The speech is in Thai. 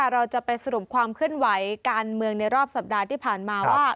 เราจะไปสรุปความเคลื่อนไหวการเมืองในรอบสัปดาห์ที่ผ่านมาว่า